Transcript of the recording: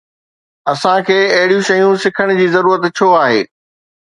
اسان کي اهڙيون شيون سکڻ جي ضرورت ڇو آهي؟